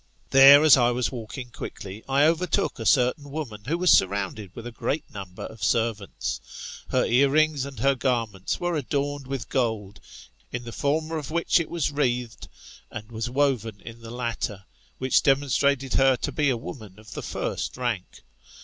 There, as I was walking quickly, I overtook a certain woman who was surrounded with a great number of servants. Her ear rings and her garments were adorned with gold, in the former of which it was wreathed, and was woven in the latter, which demonstrated her to be a woman of the first rank.